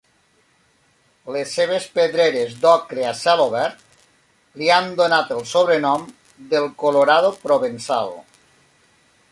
Les seves pedreres d'ocre a cel obert li han donat el sobrenom del Colorado provençal.